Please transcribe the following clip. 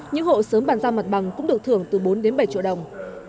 những hộ sớm bàn giao mặt bằng cũng được thưởng từ bốn đến bảy triệu đồng